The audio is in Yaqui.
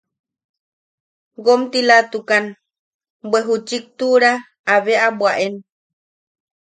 Womtilatukan bwe ju chiktura abe a bwaen.